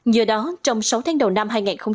giờ đó trong sáu tháng đầu năm hai nghìn hai mươi ba